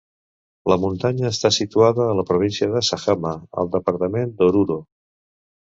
La muntanya està situada a la província de Sajama, al departament d'Oruro.